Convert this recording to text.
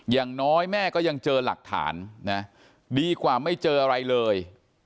อย่างน้อยแม่ก็ยังเจอหลักฐานนะดีกว่าไม่เจออะไรเลย